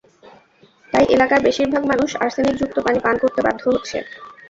তাই এলাকার বেশির ভাগ মানুষ আর্সেনিকযুক্ত পানি পান করতে বাধ্য হচ্ছে।